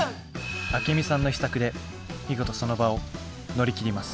アケミさんの秘策で見事その場を乗り切ります。